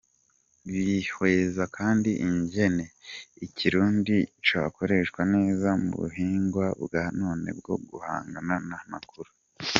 Bihweza kandi ingene ikirundi cokoreshwa neza mu buhinga bwa none bwo guhanahana amakuru.